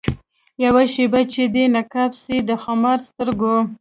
یوه شېبه چي دي نقاب سي د خمارو سترګو